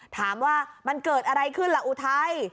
ถามว่ามันเกิดอะไรขึ้นล่ะอุทัย